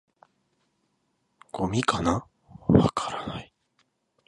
「ゴミかな？」「わからない」